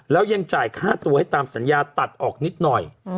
แล้วยังจ่ายค่าตัวให้ตามสัญญาตัดออกนิดหน่อย